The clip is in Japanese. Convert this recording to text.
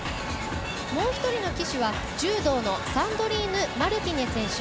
もう１人の旗手は、柔道のサンドリーヌ・マルティネ選手。